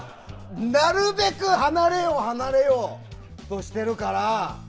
なるべく離れようとしてるから。